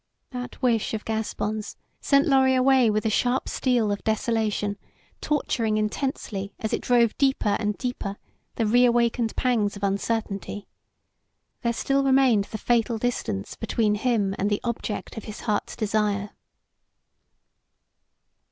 That wish of Gaspon's sent Lorry away with the sharp steel of desolation, torturing intensely as it drove deeper and deeper the reawakened pangs of uncertainty. There still remained the fatal distance between him and the object of his heart's desire.